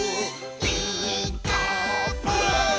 「ピーカーブ！」